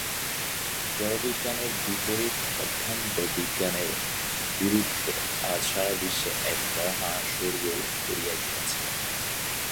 জড়বিজ্ঞানের বিপরীত অধ্যাত্ম বিজ্ঞানের বিরুদ্ধে আজ সারা বিশ্বে এক মহা সোরগোল পড়িয়া গিয়াছে।